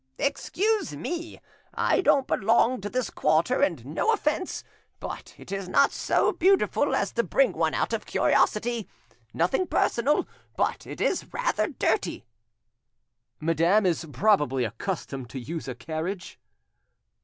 "Excuse me! I don't belong to this quarter, and—no offence—but it is not so beautiful as to bring one out of curiosity! Nothing personal—but it is rather dirty." Madame is probably accustomed to use a carriage."